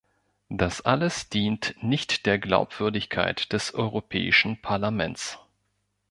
Das alles dient nicht der Glaubwürdigkeit des Europäischen Parlaments.